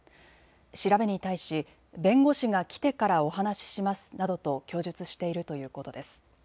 調べに対し弁護士が来てからお話ししますなどと供述しているということです。